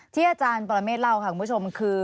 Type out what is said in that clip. ที่อาจารย์ปรเมฆเล่าค่ะคุณผู้ชมคือ